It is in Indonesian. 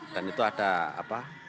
dan itu ada apa